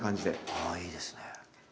あいいですね。